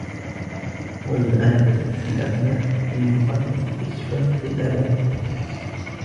وَالْأَنَفَةُ فِي الْأَبْنَاءِ فِي مُقَابَلَةِ الْإِشْفَاقِ فِي الْآبَاءِ